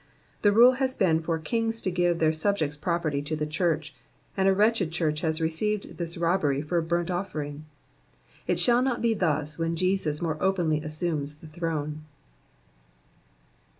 the rule has been for kings to give their subjects' pioperty to the church, and a wretched church has received this robbery for a burnt offering ; it shall not be thus when Jesus more openly assumes the throne.